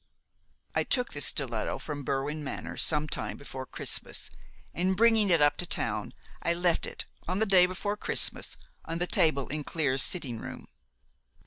"I took this stiletto from Berwin Manor some time before Christmas, and, bringing it up to town, I left it, on the day before Christmas, on the table in Clear's sitting room.